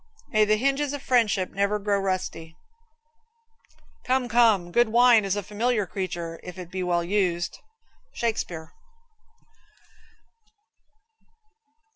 May the hinges of friendship never grow rusty. Come, come, good wine is a good familiar creature, if it be well used. Shakespeare.